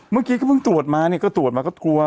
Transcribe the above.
เมื่อกี้ก็เพิ่งตรวจมาเนี่ยก็ตรวจมาก็กลัว